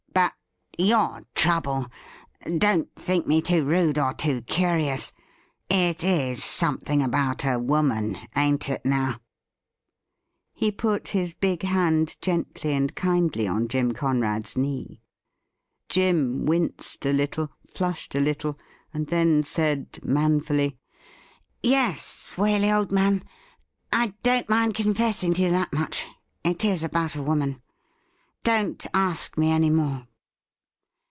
But your trouble — don't think me rude or too curious — it is something about a woman, ain't it, now ?' He put his big hand gently and kindly on Jim Conrad's knee. Jim winced a little, flushed a little, and then said man fiiUy: 'Yes, Waley, old man, I don't mind confessing to you that much : it is about a woman. Don't a^sk me any more.'